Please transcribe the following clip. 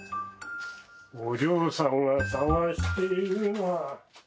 お嬢さんが探しているのは。